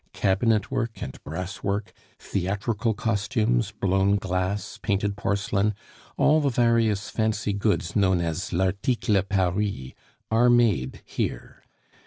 Cabinet work and brasswork, theatrical costumes, blown glass, painted porcelain all the various fancy goods known as l'article Paris are made here.